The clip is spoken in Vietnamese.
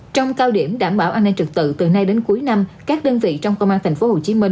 trong cao điểm đảm bảo an ninh trực tự từ nay đến cuối năm các đơn vị trong công an tp hcm